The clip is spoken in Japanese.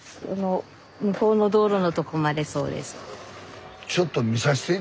向こうの道路のとこまでそうです。